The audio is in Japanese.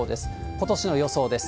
ことしの予想です。